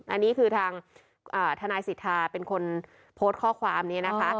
อันนี้คือทางทนายสิทธาเป็นคนโพสต์ข้อความนี้นะคะ